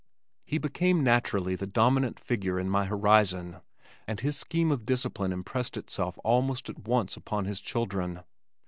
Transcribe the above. He became naturally the dominant figure in my horizon, and his scheme of discipline impressed itself almost at once upon his children.